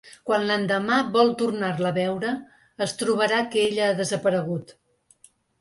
Quan l’endemà vol tornar-la a veure, es trobarà que ella ha desaparegut.